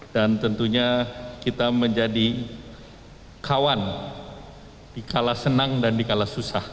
dan tentunya kita menjadi kawan di kalas senang dan di kalas susah